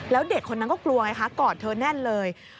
แล้วเด็กคนนั้นก็กลัวไงคะกอดเธอแน่นเลย